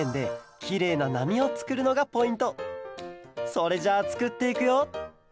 それじゃあつくっていくよ！